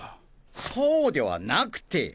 そうではなくて！